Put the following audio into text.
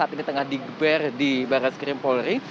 saat ini tengah digeber di barat skrim polri